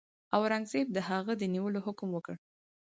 اورنګزېب د هغه د نیولو حکم وکړ.